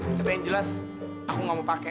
tapi yang jelas aku gak mau pakai